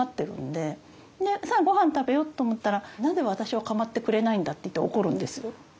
でさあごはん食べようと思ったらなぜ私を構ってくれないんだっていって怒るんですよ。